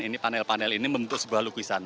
ini panel panel ini membentuk sebuah lukisan